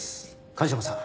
梶間さん